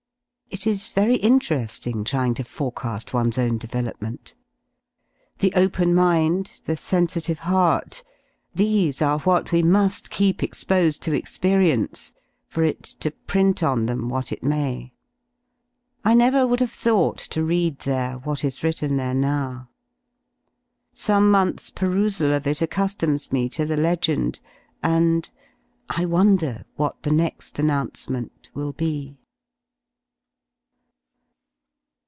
It is very intere^ing, trying to foreca^ one's own development. The open mind, the sensitive heart, these ^ are what we mu^ keep exposed to e ^erienc e, for it^to print on them what it may. I never would have thought to read there what is written there now. Some month's perusal of it accu^Hioms me to the legend, and — "I wonder what the next announce ment will be."